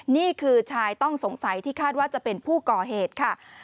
นี่คือชายต้องสงสัยที่คาดว่าจะเป็นผู้ก่อเหตุค่ะ